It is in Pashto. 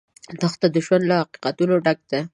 دښته د ژوند له حقیقتونو ډکه ده.